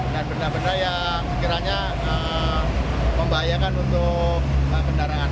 dan benda benda yang sekiranya membahayakan untuk kendaraan